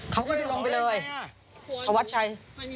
เขาก็จะลงไปเลยธวัดชัย